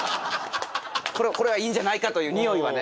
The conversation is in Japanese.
これはいいんじゃないかというにおいはね。